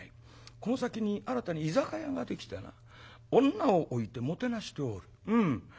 この先に新たに居酒屋ができてな女を置いてもてなしておる。